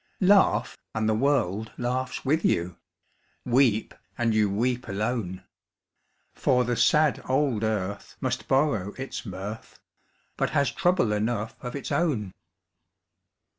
Laugh, and the world laughs with you; Weep, and you weep alone; For the sad old earth must borrow its mirth, But has trouble enough of its own.